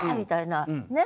ねっ。